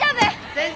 先生！